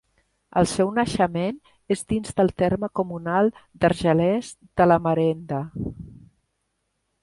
El seu naixement és dins del terme comunal d'Argelers de la Marenda.